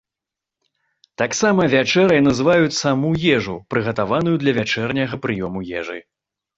Таксама вячэрай называюць саму ежу, прыгатаваную для вячэрняга прыёму ежы.